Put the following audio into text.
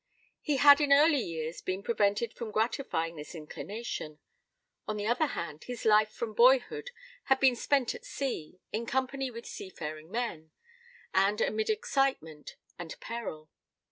He had in early years been prevented from gratifying this inclination. On the other hand, his life from boyhood had been spent at sea, in company with seafaring men, and amid excitement and peril.